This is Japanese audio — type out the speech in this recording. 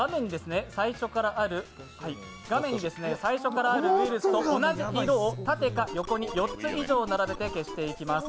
画面に最初からあるウイルスと同じ色を縦か横に４つ以上並べて消していきます。